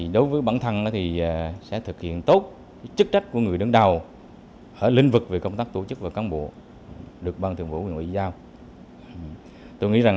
đối với bản thân thì sẽ thực hiện tốt chức trách của người đứng đầu ở lĩnh vực về công tác tổ chức và cán bộ được ban thường vụ quyền ngoại giao